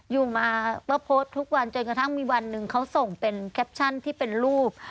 อยู่มาว่าโพสทุกวันจนกระทั่งมีวันหนึ่งเขาส่งเป็นที่เป็นรูป